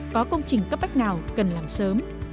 có công trình cấp bách nào cần làm sớm